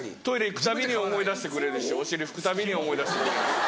行くたびに思い出してくれるしお尻拭くたびに思い出してくれる。